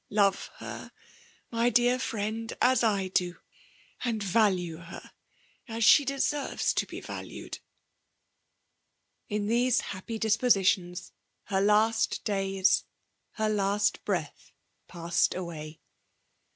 Love her, my deiBr friend, as I do ; and value her as she deserves to be valued. In these happy dispositions, her last days, her last breath, passed away.